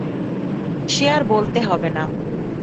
সে আর বলতে হবে না।